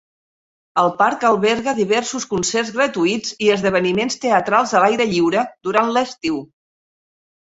El parc alberga diversos concerts gratuïts i esdeveniments teatrals a l'aire lliure durant l'estiu.